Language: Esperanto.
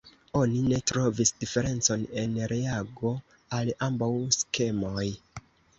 Oni ne trovis diferencon en reago al ambaŭ skemoj.